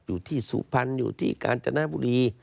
อยู่ที่สุพรรณอยู่ที่การจนาบุรี